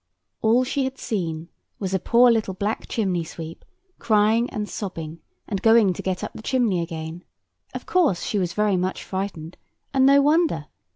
All she had seen was a poor little black chimney sweep, crying and sobbing, and going to get up the chimney again. Of course, she was very much frightened: and no wonder.